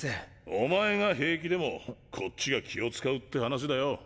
お前が平気でもこっちが気を遣うって話だよ。